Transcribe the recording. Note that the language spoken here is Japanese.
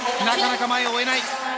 なかなか前を追えない。